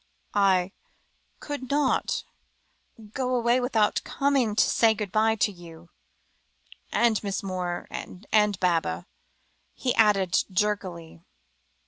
"I could not go away without coming to say good bye to you and Miss Moore and Baba," he added jerkily.